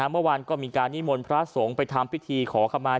เมื่อวานก็มีการนิมนต์พระสงฆ์ไปทำพิธีขอขมา